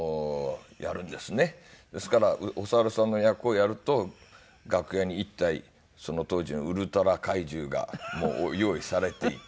ですからお猿さんの役をやると楽屋に１体その当時のウルトラ怪獣がもう用意されていて。